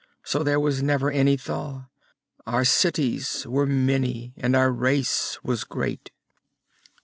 So there was never any thaw. Our cities were many, and our race was great.